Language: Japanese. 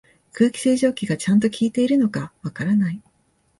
空気清浄機がちゃんと効いてるのかわからない